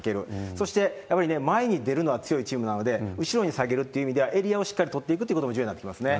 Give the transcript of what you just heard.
そしてやっぱりね、前に出るのは強いチームなので、後ろに下げるっていう意味では、エリアをしっかり取っていくということも重要になっていきますね。